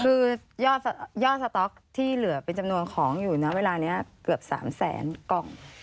คือยอดสต๊อกที่เหลือเป็นจำนวนของอยู่นะเวลานี้เกือบ๓แสนกล่อง